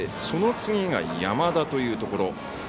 その次が山田というところ。